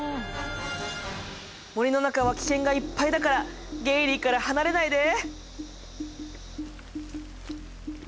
森の中は危険がいっぱいだからゲイリーから離れないで。